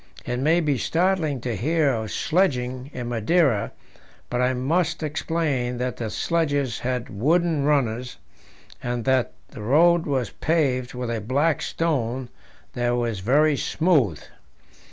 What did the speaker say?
It may be startling to hear of sledging in Madeira, but I must explain that the sledges had wooden runners, and that the road was paved with a black stone that was very smooth.